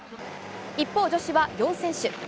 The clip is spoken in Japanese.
一方、女子は４選手。